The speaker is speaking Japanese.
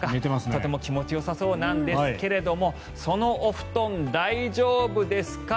とても気持ちよさそうなんですがそのお布団大丈夫ですか。